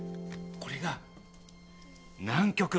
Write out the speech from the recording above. これが南極。